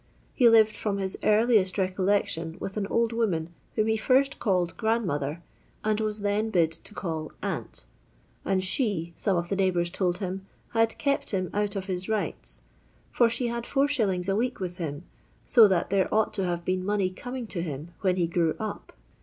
He lived from his earliest recollection with an old woman whom he first called " grandmother," and was then bid to call " aunt," and she, some of the neighbours told him, had "kept him out of his rights," for she had 4«. a week with him, so that uere ought to have been money coming to bim when he grew up.